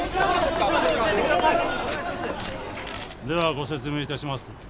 ではご説明致します。